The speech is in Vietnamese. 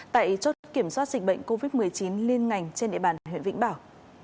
tại chốt kiểm soát dịch bệnh covid một mươi chín liên ngành trên địa bàn huyện vĩnh bảo